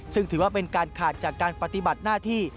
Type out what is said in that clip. ซึ่งถือว่าเป็นการขาดจากการปฏิบัติหน้าที่